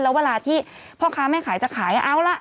แล้วเวลาที่พ่อค้าแม่ขายจะขาย